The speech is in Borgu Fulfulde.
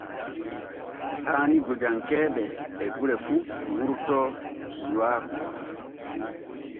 Haani gojankee ɓe gure fu wurto ciiwaaku.